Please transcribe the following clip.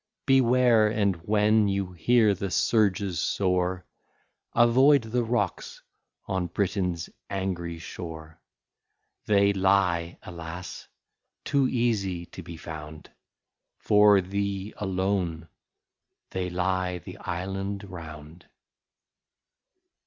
Beware, and when you hear the surges roar, Avoid the rocks on Britain's angry shore. They lie, alas! too easy to be found; For thee alone they lie the island round.